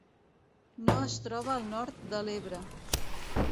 No es troba al nord de l'Ebre.